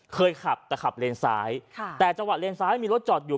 เคยขับแต่ขับเลนซ้ายค่ะแต่จังหวะเลนซ้ายมีรถจอดอยู่